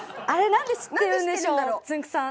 何で知ってるんでしょうつんく♂さん。